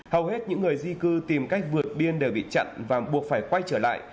hầu hết những người di cư tìm cách vượt biên đều bị chặn và buộc phải quay trở lại